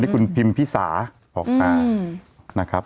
คุณพิมธ์พี่สาออกมา